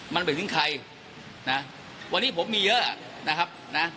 มันไปถึงใครนะวันนี้ผมมีเยอะนะครับนะ